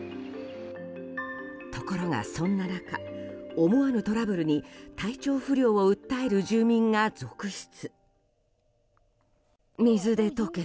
ところがそんな中思わぬトラブルに体調不良を訴える住民が続出。